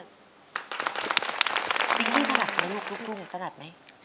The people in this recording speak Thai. ฟิงกี้สนัดไหมลูกลูกทุ่งสนัดไหม